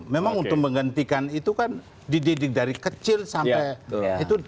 memang untuk menggantikan itu kan dididik dari kecil sampai itu